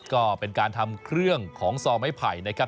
ก็เป็นการทำเครื่องของซอไม้ไผ่นะครับ